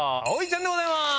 ちゃんでございます。